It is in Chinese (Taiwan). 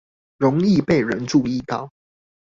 容易被人注意到